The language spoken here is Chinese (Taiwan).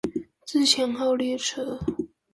自強號列車